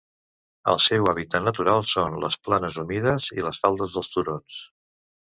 El seu hàbitat natural són les planes humides i les faldes dels turons.